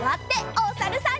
おさるさん。